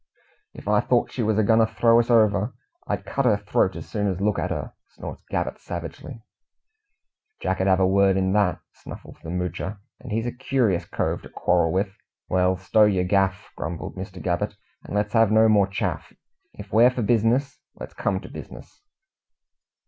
"If I thort she was agoin' to throw us over, I'd cut her throat as soon as look at her!" snorts Gabbett savagely. "Jack ud have a word in that," snuffles the Moocher; "and he's a curious cove to quarrel with." "Well, stow yer gaff," grumbled Mr. Gabbett, "and let's have no more chaff. If we're for bizness, let's come to bizness."